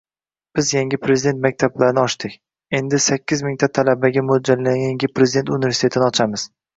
Biz yangi prezident maktablarini ochdik, endi sakkiz mingta talabaga moʻljallangan yangi prezident universitetini ochamiz.